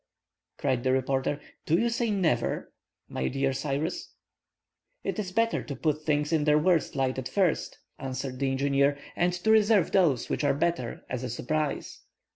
cried the reporter. "Do you say never, my dear Cyrus?" "It is better to put things in their worst light at first," answered the engineer; "and to reserve those which are better, as a surprise."